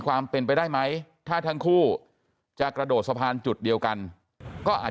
ความเป็นไปได้ไหมถ้าทั้งคู่จะกระโดดสะพานจุดเดียวกันก็อาจ